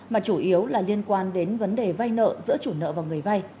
mà chủ yếu là liên quan đến vấn đề vay nợ giữa chủ nợ và người vay